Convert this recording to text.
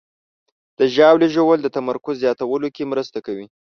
د ژاولې ژوول د تمرکز زیاتولو کې مرسته کوي.